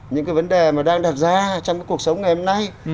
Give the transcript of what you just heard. những cái vấn đề mà đang đặt ra trong cái cuộc sống ngày hôm nay